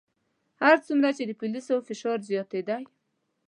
هر څومره چې د پولیسو فشار زیاتېدی.